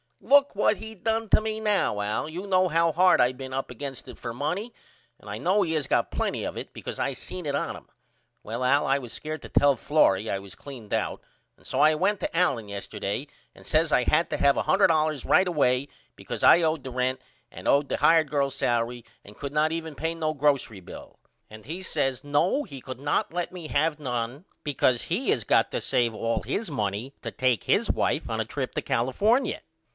Look what he done to me now Al. You know how hard I been up against it for money and I know he has got plenty of it because I seen it on him. Well Al I was scared to tell Florrie I was cleaned out and so I went to Allen yesterday and says I had to have $100 right away because I owed the rent and owed the hired girl's salery and could not even pay no grocery bill. And he says No he could not let me have none because he has got to save all his money to take his wife on the trip to California.